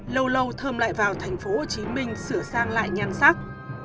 lâu lâu thơm lại vào thành phố hồ chí minh sửa sang lại nhan sắc